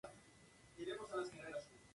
Provenía de una familia de banqueros.